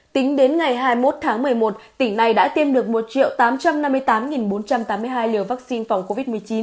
tính đến ngày hai mươi một tháng một mươi một tỉnh này đã tiêm được một tám trăm năm mươi tám bốn trăm tám mươi hai liều vaccine phòng covid một mươi chín